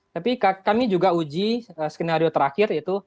tapi kami juga uji skenario terakhir yaitu